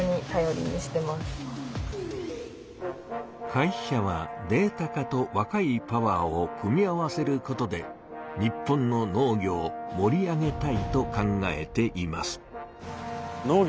会社はデータ化とわかいパワーを組み合わせることで日本の農業をもり上げたいと考えています。